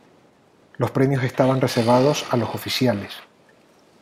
Los premios estaban reservados a los oficiales.